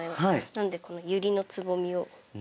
なのでこのユリのつぼみをメインに。